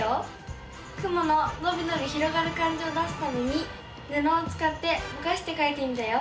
雲ののびのび広がる感じを出すためにぬのをつかってぼかしてかいてみたよ。